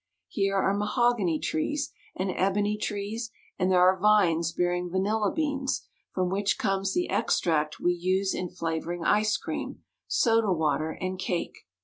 Here are mahogany trees and ebony trees ; and there are vines bearing vanilla beans, from which comes the extract we use in«flavoring ice cream, soda water, and cake.